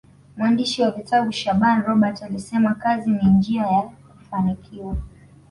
mwandishi wa vitabu shaaban robert alisema kazi ni njia ya kufanikiwa